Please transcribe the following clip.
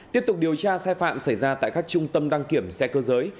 tiếp tục điều tra sai phạm xảy ra tại các trung tâm đăng kiểm xe cơ giới